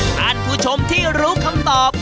ท่านผู้ชมที่รู้คำตอบ